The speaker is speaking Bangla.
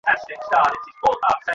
ভারী চমৎকার লেগেছে।